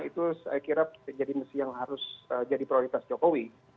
itu saya kira jadi yang harus jadi prioritas jokowi